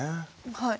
はい。